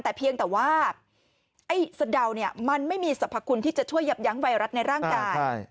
แต่เพียงแต่ว่าไอ้สะเดาเนี่ยมันไม่มีสรรพคุณที่จะช่วยยับยั้งไวรัสในร่างกาย